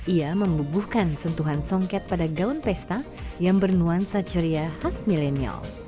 ia membubuhkan sentuhan songket pada gaun pesta yang bernuansa ceria khas milenial